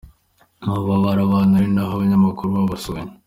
Aho baba barabana, ari naho abanyamakuru babasuye.